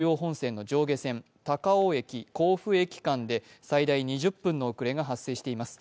ＪＲ中央本線の上下線、高尾駅、甲府駅間で最大２０分の遅れが発生しています。